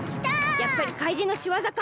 やっぱりかいじんのしわざか！